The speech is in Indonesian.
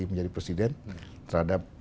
menjadi presiden terhadap